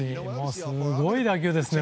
すごい打球ですね。